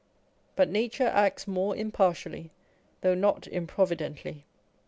But nature acts more impartially, though not improvidently.